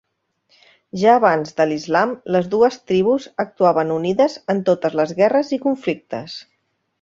Ja abans de l'islam les dues tribus actuaven unides en totes les guerres i conflictes.